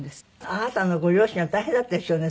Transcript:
あなたのご両親は大変だったでしょうね